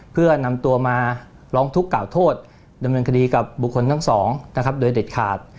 เพื่อนำตัวมาร้องทุกข์กล่าวโทษดำเนินคดีกับบุคคลทั้งสองนะครับโดยเด็ดขาด